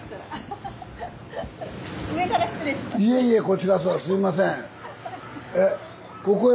いえいえこちらこそすんません。